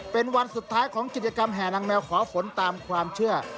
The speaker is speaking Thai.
เป็นวันสุดท้ายของกิจกรรมแห่นางแมวขอฝนตามความเชื่อ